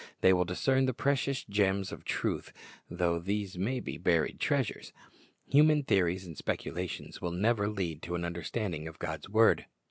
They will discern the precious gems of truth, though these may be buried treasures. Human theories and speculations will never lead to an understanding of God's word.